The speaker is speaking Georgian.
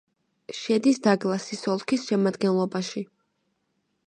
შედის დაგლასის ოლქის შემადგენლობაში.